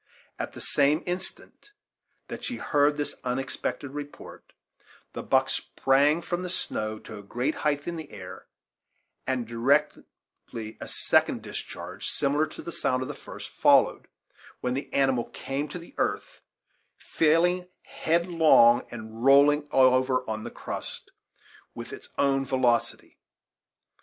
At the same instant that she heard this unexpected report, the buck sprang from the snow to a great height in the air, and directly a second discharge, similar in sound to the first, followed, when the animal came to the earth, failing head long and rolling over on the crust with its own velocity.